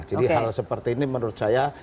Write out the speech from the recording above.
jadi hal seperti ini menurut saya